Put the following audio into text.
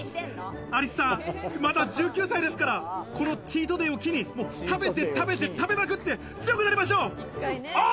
アリスさん、まだ１９歳ですから、このチートデイを機に、食べて食べて食べまくって、強くなりましょう！